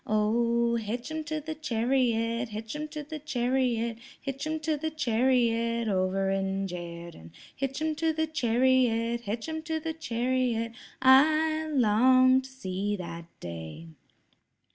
"Oh, hitch 'em to the chariot, hitch 'em to the chariot, Hitch 'em to the chariot over in Jerden, Hitch 'em to the chariot, hitch 'em to the chariot, I long to see that day."